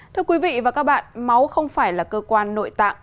thưa quý vị và các bạn máu không phải là cơ quan nội tạng